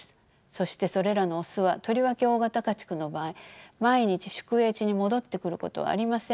そしてそれらのオスはとりわけ大型家畜の場合毎日宿営地に戻ってくることはありません。